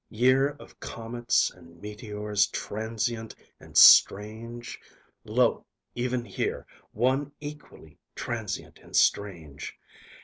Year of comets and meteors transient and strange lo! even here one equally transient and strange!